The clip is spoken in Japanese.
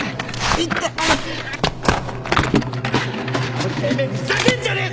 おいてめえふざけんじゃねえ！